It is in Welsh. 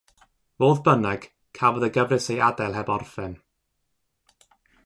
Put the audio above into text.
Fodd bynnag cafodd y gyfres ei adael heb orffen.